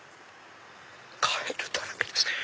カエルだらけですね